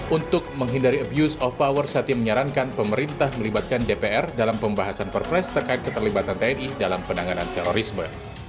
untuk menghindari abuse of power satya menyarankan pemerintah melibatkan dpr dalam pembahasan perpres terkait keterlibatan tni dalam penanganan terorisme